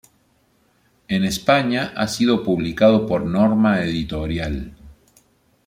En España ha sido publicado por Norma Editorial.